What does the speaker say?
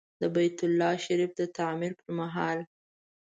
د بیت الله شریف د تعمیر پر مهال.